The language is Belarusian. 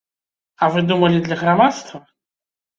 А вы думалі, для грамадства?